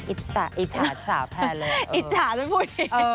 อิจฉาอิจฉาแพ้เลย